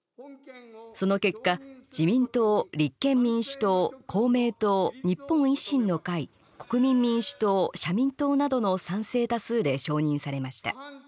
その結果、自民党立憲民主党公明党、日本維新の会国民民主党、社民党などの賛成多数で承認されました。